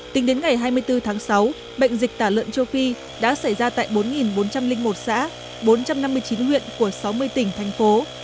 tính đến ngày hai mươi bốn tháng sáu bệnh dịch tả lợn châu phi đã xảy ra tại bốn bốn trăm linh một xã bốn trăm năm mươi chín huyện của sáu mươi tỉnh thành phố